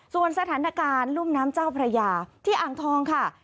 ส่วนสถานการณ์รุ่มน้ำเจ้าพระยาที่อ่างทองค่ะ